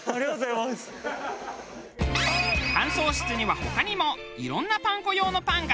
乾燥室には他にもいろんなパン粉用のパンがたくさん。